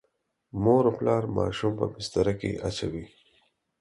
مور او پلار ماشوم په بستره کې اچوي.